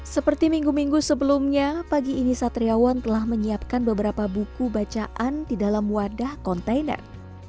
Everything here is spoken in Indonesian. seperti minggu minggu sebelumnya pagi ini satriawan telah menyiapkan beberapa buku bacaan di dalam wadah kontainer